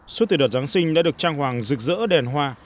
suốt từ đợt giáng sinh đã được trang hoàng rực rỡ đèn hoa